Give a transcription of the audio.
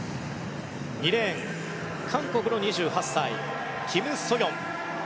２レーン韓国の２８歳、キム・ソヨン。